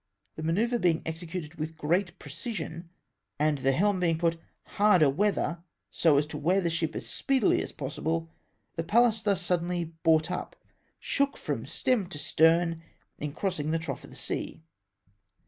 The ma ncEuvre being executed with great precision, — and the helm being put hard a weather, so as to wear the ship as speedily as possible, — the Pallas, thus suddenly VOL. I. N 178 ADMIRAL YOUNG. brought up, shook from stem to stern, in crossing the trougli of the sea.